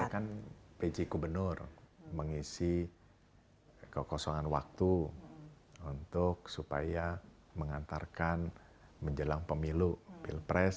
kan pj gubernur mengisi kekosongan waktu untuk supaya mengantarkan menjelang pemilu pilpres